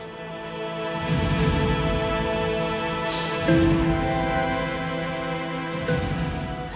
pertama kali kang bahar pergi ke jakarta